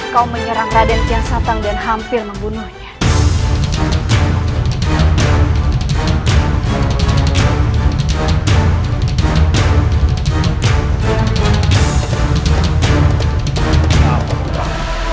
kau menyerang raden siasatang dan hampir membunuhnya